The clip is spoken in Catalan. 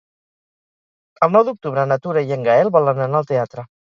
El nou d'octubre na Tura i en Gaël volen anar al teatre.